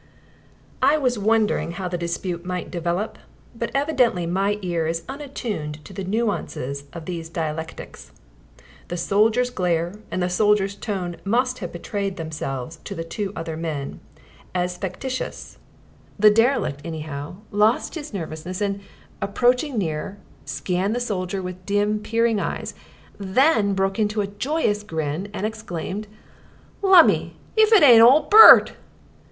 I was wondering how the dispute might develop, but evidently my ear is unattuned to the nuances of these dialectics. The soldier's glare and the soldier's tone must have betrayed themselves to the two other men as factitious; the derelict, anyhow, lost his nervousness and, approaching nearer, scanned the soldier with dim, peering eyes; then broke into a joyous grin and exclaimed: "Lumme, if it ain't ol' Bert!"